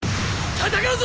戦うぞ！